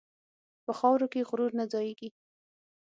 په خاورو کې غرور نه ځایېږي.